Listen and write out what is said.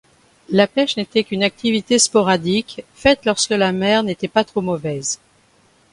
La pêche n'était qu'une activité sporadique faite lorsque la mer n'était pas trop mauvaise.